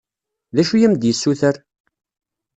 D acu i am-d-yessuter?